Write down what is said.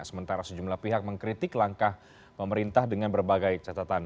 sementara sejumlah pihak mengkritik langkah pemerintah dengan berbagai catatan